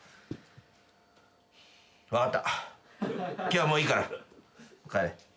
今日はもういいから帰れ。